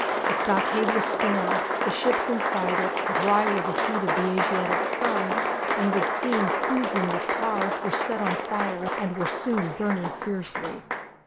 The stockade was stormed; the ships inside it, dry with the heat of the Asiatic sun, and with seams oozing with tar, were set on fire and were soon burning fiercely.